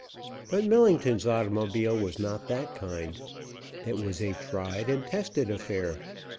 But Millington's automobile was not that kind. It was a tried and tested affair.